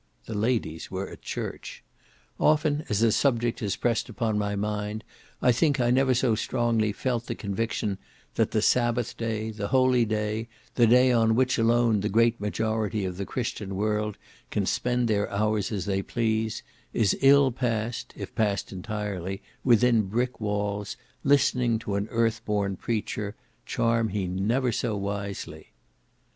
The ladies were at church. Often as the subject has pressed upon my mind, I think I never so strongly felt the conviction that the Sabbath day, the holy day, the day on which alone the great majority of the Christian world can spend their hours as they please, is ill passed (if passed entirely) within brick walls, listening to an earth born preacher, charm he never so wisely.